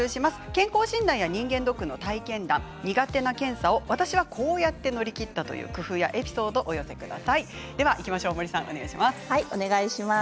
健康診断や人間ドックの体験談苦手な検査を私はこうやって乗り切ったという工夫やエピソードをお寄せください。